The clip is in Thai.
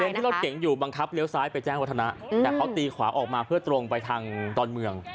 ที่รถเก๋งอยู่บังคับเลี้ยวซ้ายไปแจ้งวัฒนะแต่เขาตีขวาออกมาเพื่อตรงไปทางดอนเมือง